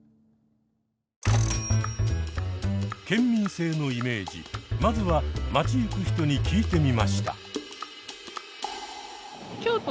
県民性のイメージまずは街ゆく人に聞いてみました！